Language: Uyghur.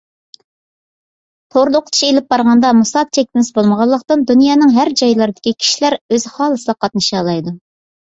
توردا ئوقۇتۇش ئېلىپ بارغاندا مۇساپە چەكلىمىسى بولمىغانلىقتىن، دۇنيانىڭ ھەر جايلىرىدىكى كىشىلەر ئۆزى خالىسىلا قاتنىشالايدۇ.